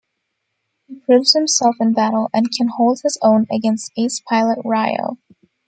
He proves himself in battle, and can hold his own against ace pilot Ryo.